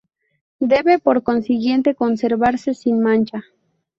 Debe, por consiguiente, conservarse sin mancha.